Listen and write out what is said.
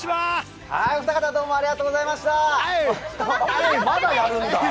おふた方、どうもありがとうございました。